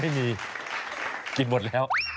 ไม่มีกินหมดแล้ว